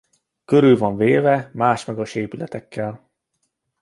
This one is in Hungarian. Körül van véve más magas épületekkel.